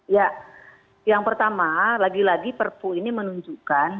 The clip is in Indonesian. ya yang pertama lagi lagi perpu ini menunjukkan